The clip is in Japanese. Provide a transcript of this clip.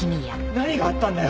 何があったんだよ？